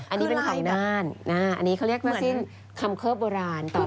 อันนี้เป็นของน่านอันนี้เขาเรียกว่าสิ้นคำเคิบโบราณต่อตีนจบ